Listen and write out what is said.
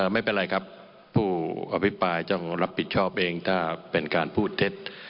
ไม่เป็นไรครับผู้อภิปรายต้องรับผิดชอบเองถ้าเป็นการพูดเท็จ